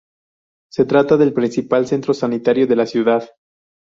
Se trata del principal centro sanitario de la ciudad.